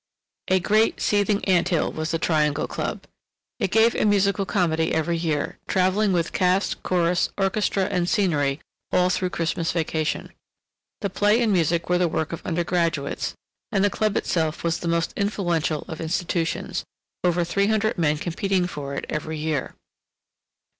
A great, seething ant hill was the Triangle Club. It gave a musical comedy every year, travelling with cast, chorus, orchestra, and scenery all through Christmas vacation. The play and music were the work of undergraduates, and the club itself was the most influential of institutions, over three hundred men competing for it every year.